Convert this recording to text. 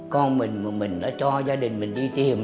con mình mà mình đã cho gia đình mình đi tìm